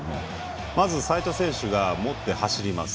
まず齋藤選手が持って走ります。